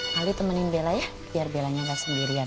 paling temenin bella ya biar bellanya gak sendirian